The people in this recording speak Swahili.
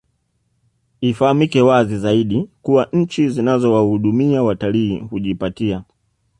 Ifahamike wazi zaidi kuwa nchi zinazowahudumia watalii hujipatia